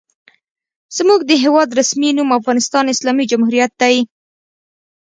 زموږ د هېواد رسمي نوم افغانستان اسلامي جمهوریت دی.